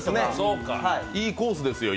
いいコースですよ、今。